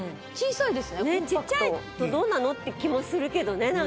ちっちゃいとどうなの？って気もするけどねなんか。